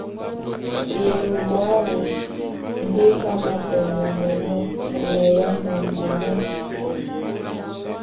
Eyoɓo aó ndé ɓá māpɔŋgɔnɛnɔ́ nyai á mambo má m̀pesa.